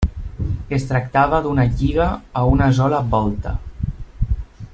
Es tractava d'una lliga a una sola volta.